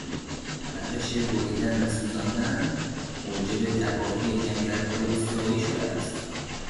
روش بریدن وسوزاندن موجب تباهی جنگلهای استوایی شده است.